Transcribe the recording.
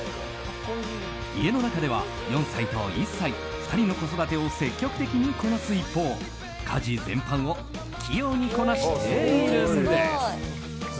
家の中では、４歳と１歳２人の子育てを積極的にこなす一方家事全般を器用にこなしているんです。